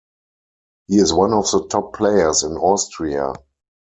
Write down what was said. He is one of the top players in Austria.